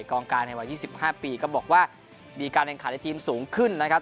กองการในวัย๒๕ปีก็บอกว่ามีการแข่งขันในทีมสูงขึ้นนะครับ